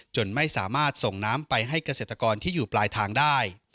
จนไม่สามารถส่งน้ำไปให้เกษตรกรที่อยู่ปลายทางได้